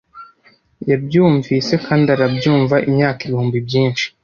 Yabyumvise kandi arabyumva imyaka ibihumbi byinshi;